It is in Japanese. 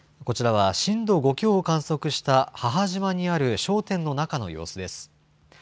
こちらは震度５強を観測した母島にある商店の中の様子です。